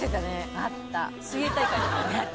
あった。